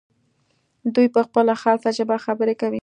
دوی په خپله خاصه ژبه خبرې کوي.